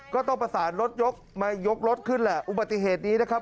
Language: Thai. ก็ต้องประสานรถยกมายกรถขึ้นแหละอุบัติเหตุนี้นะครับ